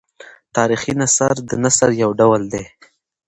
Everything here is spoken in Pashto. تاریخي نثر د نثر یو ډول دﺉ.